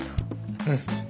うん。